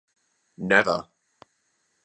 Never!